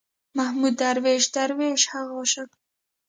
محمود درویش، درویش هغه عاشق دی.